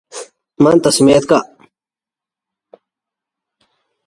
The dashboard carried the "Gucci script" logo in bold lettering.